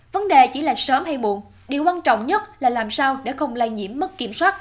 vấn đề chỉ là sớm hay muộn điều quan trọng nhất là làm sao để không lây nhiễm mất kiểm soát